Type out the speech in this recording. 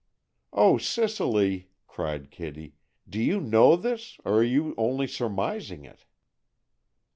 "Oh, Cicely," cried Kitty, "do you know this, or are you only surmising it?"